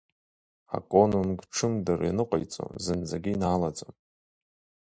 Аконунг ҽымдыр аныҟаиҵо зынӡагьы инаалаӡом!